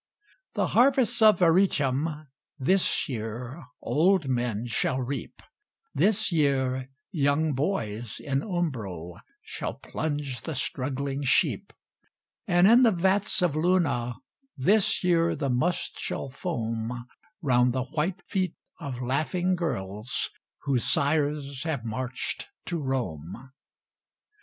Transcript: The harvests of Arretium This year old men shall reap; This year young boys in Umbro Shall plunge the struggling sheep; And in the vats of Luna This year the must shall foam Round the white feet of laughing girls Whose sires have marched to Rome.